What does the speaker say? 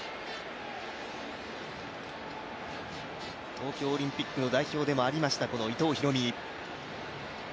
東京オリンピックの代表でもありました伊藤大海。